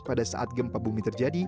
pada saat gempa bumi terjadi